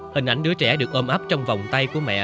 hình ảnh đứa trẻ được ôm ấp trong vòng tay của mẹ